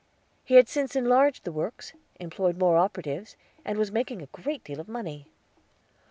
He had since enlarged the works, employed more operatives, and was making a great deal of money.